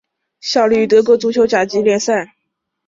他现在效力于德国足球甲级联赛球队汉诺威。